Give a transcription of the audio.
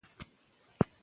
کسات